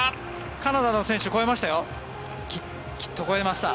カナダの選手超えましたよ。